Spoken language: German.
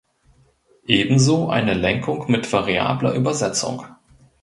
Ebenso eine Lenkung mit variabler Übersetzung.